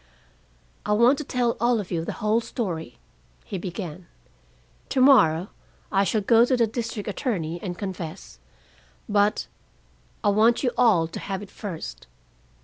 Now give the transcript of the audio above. "I want to tell all of you the whole story," he began. "To morrow I shall go to the district attorney and confess, but I want you all to have it first.